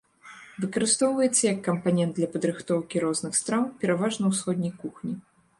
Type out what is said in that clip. Выкарыстоўваецца як кампанент для падрыхтоўкі розных страў пераважна ўсходняй кухні.